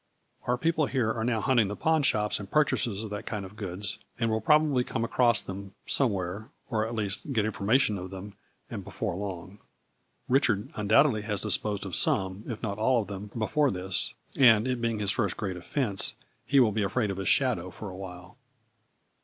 " Our people here are now hunting the pawn shops and purchasers of that kind of goods and will probably come across them somewhere, or at least get information of them, and before long. Richard undoubtedly has disposed of some, if not all of them, before this, and it being his first great offense, he will be afraid of his shadow for awhile."